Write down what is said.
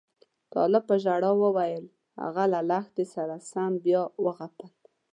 طالب په ژړا وویل هغه له لښتې سره سم بیا وغپل.